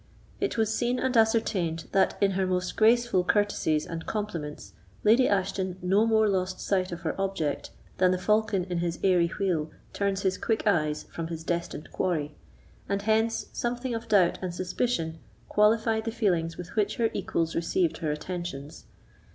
It was seen and ascertained that, in her most graceful courtesies and compliments, Lady Ashton no more lost sight of her object than the falcon in his airy wheel turns his quick eyes from his destined quarry; and hence, something of doubt and suspicion qualified the feelings with which her equals received her attentions.